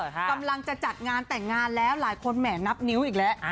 กำลังจะจัดงานแต่งงานแล้วหลายคนแห่นับนิ้วอีกแล้ว